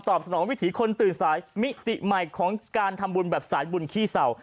สนองวิถีคนตื่นสายมิติใหม่ของการทำบุญแบบสายบุญขี้เศร้า